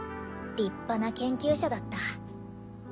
立派な研究者だった。